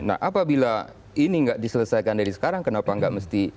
nah apabila ini nggak diselesaikan dari sekarang kenapa nggak mesti